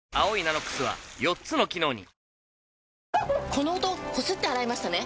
この音こすって洗いましたね？